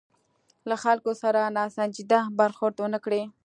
له خلکو سره ناسنجیده برخورد ونه کړي.